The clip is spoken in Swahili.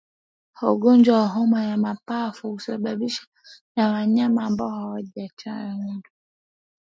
Ugonjwa wa homa ya mapafu husababishwa na wanyama ambao hawajachanjwa